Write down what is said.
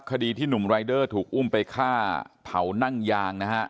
คดีที่หนุ่มรายเดอร์ถูกอุ้มไปฆ่าเผานั่งยางนะฮะ